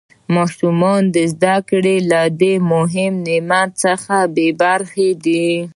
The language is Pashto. ماشومان د زده کړو له دې مهم نعمت څخه بې برخې دي.